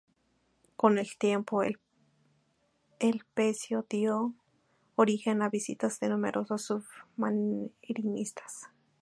Con el tiempo, el pecio dio origen a visitas de numerosos submarinistas.